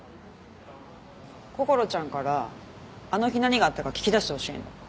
こころちゃんからあの日何があったか聞き出してほしいの。